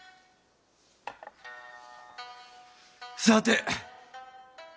さて。